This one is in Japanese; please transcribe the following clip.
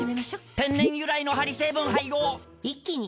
天然由来のハリ成分配合一気に！